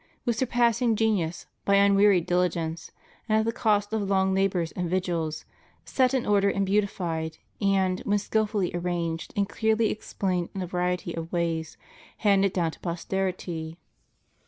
. with surpassing genius, by unwearied dihgence, and at the cost of long labors and vigils, set in order and beautified, and, when skilfully arranged and clearly explained in a variety of ways, handed down to posterity.